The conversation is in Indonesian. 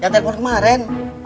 yang telepon kemana